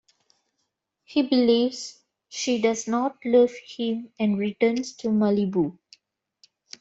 He believes she does not love him and returns to Malibu.